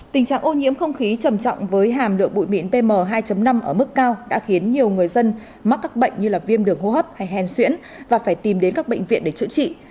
tình trạng ô nhiễm không khí trầm trọng với hàm lượng bụi mịn pm hai năm ở mức cao đã khiến nhiều người dân mắc các bệnh như viêm đường hô hấp hay hèn xuyễn và phải tìm đến các bệnh viện để chữa trị